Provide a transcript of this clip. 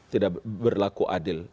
tidak berlaku adil